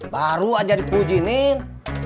baru aja dipuji nen